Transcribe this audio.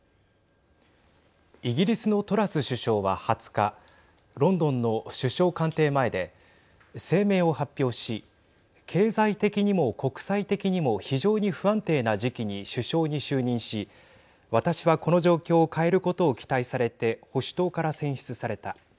イギリスのトラス首相は２０日、ロンドンの首相官邸前で声明を発表し経済的にも国際的にも非常に不安定な時期に首相に就任し私は、この状況を変えることを期待されて保守党から選出された。